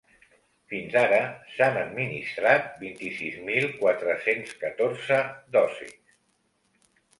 Fins ara s’han administrat vint-i-sis mil quatre-cents catorze dosis.